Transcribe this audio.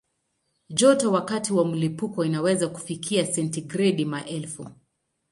Joto wakati wa mlipuko inaweza kufikia sentigredi maelfu.